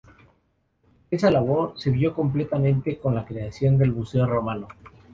Esa labor se vio complementada con la creación del Museo Romano.